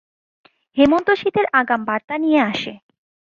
হেমন্ত শীতের আগাম বার্তা নিয়ে আসে।